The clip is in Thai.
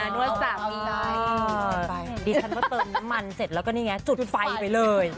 ดิฉันก็เติมน้ำมันเสร็จแล้วก็นี่ไงจุดไฟไปเลย